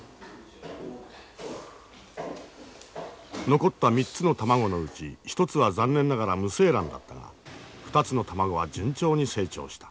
残った３つの卵のうち１つは残念ながら無精卵だったが２つの卵は順調に成長した。